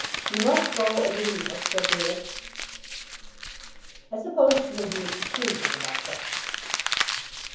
You must go and leave her, Sir Felix." "I suppose she may do as she pleases about that."